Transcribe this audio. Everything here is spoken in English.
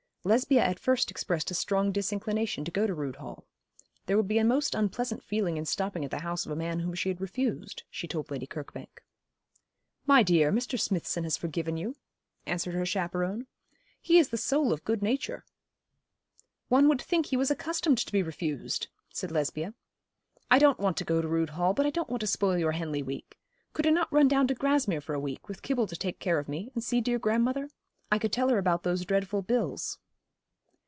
Lesbia at first expressed a strong disinclination to go to Rood Hall. There would be a most unpleasant feeling in stopping at the house of a man whom she had refused, she told Lady Kirkbank. 'My dear, Mr. Smithson has forgiven you,' answered her chaperon. 'He is the soul of good nature.' 'One would think he was accustomed to be refused,' said Lesbia. 'I don't want to go to Rood Hall, but I don't want to spoil your Henley week. Could not I run down to Grasmere for a week, with Kibble to take care of me, and see dear grandmother? I could tell her about those dreadful bills.'